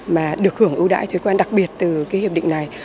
mà được hưởng ưu đãi thuế quan đặc biệt từ cái hiệp định này